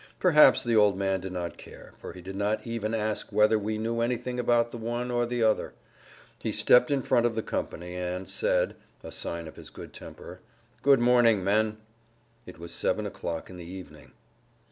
Perhaps the old man did not care, for he did not even ask whether we knew anything about the one or the other. He stepped in front of the company and said (a sign of his good temper), "Good morning, men!" (It was seven o'clock in the evening!)